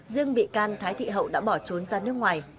riêng bị can thái thị hậu đã bỏ trốn ra nước ngoài